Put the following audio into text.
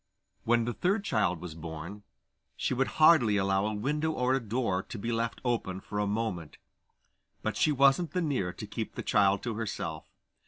When the third child was born she would hardly allow a window or a door to be left open for a moment; but she wasn't the nearer to keep the child to herself.